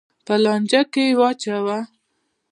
په لانجه کې یې واچوه.